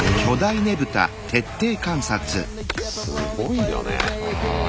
すごいよね。